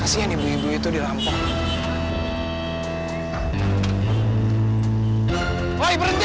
kasian ibu ibu itu dirampak